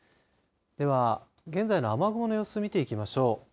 では現在の雨雲の様子見ていきましょう。